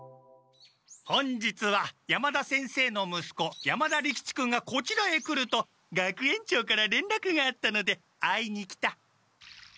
本日は山田先生のむすこ山田利吉君がこちらへ来ると学園長かられんらくがあったので会いに来た。